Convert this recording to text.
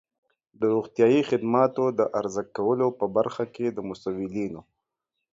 د روغتیایی خدماتو د عرضه کولو په برخه کې د مسؤلینو